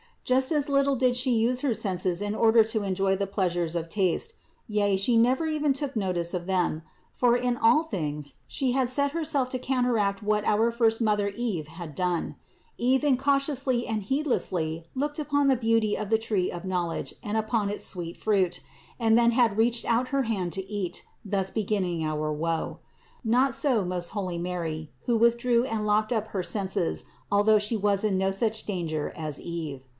Just as little did She use her senses in order to enjoy the pleasures of taste, yea She never even took notice of them ; for in all things She had set Herself to counteract what our first mother Eve had done. Eve incautiously and heedlessly had looked upon the beauty of the tree of knowledge and upon its sweet fruit, 280 CITY OF GOD and then had reached out her hand to eat, thus beginning our woe. Not so most holy Mary, who withdrew and locked up her senses, although She was in no such danger as Eve.